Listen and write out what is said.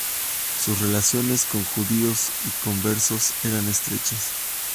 Sus relaciones con judíos y conversos eran estrechas.